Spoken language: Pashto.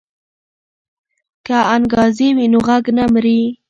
که انګازې وي نو غږ نه مري.